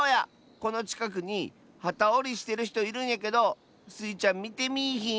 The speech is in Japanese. このちかくにはたおりしてるひといるんやけどスイちゃんみてみいひん？